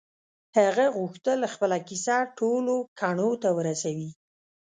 هغه غوښتل خپله کيسه ټولو کڼو ته ورسوي.